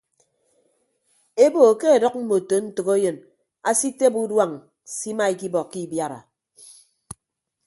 Ebo ke adʌk mmoto ntәkeyịn asitebe uduañ simaikibọkọ ibiara.